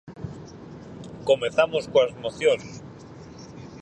Comezamos coas mocións.